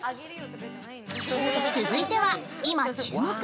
◆続いては、今注目！